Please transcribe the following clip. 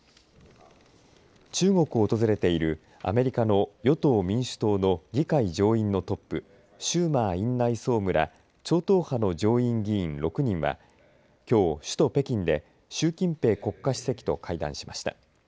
中国を訪れているアメリカの与党・民主党の議会上院のトップシューマー院内総務ら超党派の上院議員６人はきょう首都・北京で習近平国家主席と会談しました。